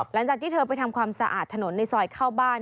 หลังจากที่เธอไปทำความสะอาดถนนในซอยเข้าบ้าน